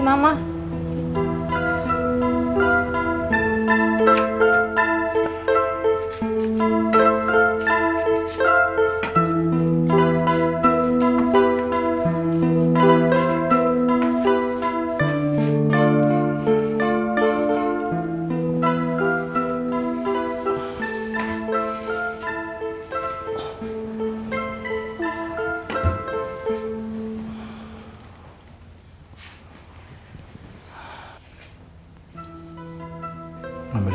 bapaknya gak mau nyanyi